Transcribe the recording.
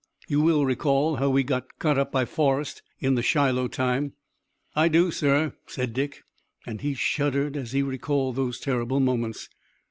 You will recall how we got cut up by Forrest in the Shiloh time." "I do, sir," said Dick and he shuddered as he recalled those terrible moments.